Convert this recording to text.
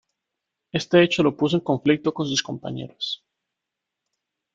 Este hecho lo puso en conflicto con sus compañeros.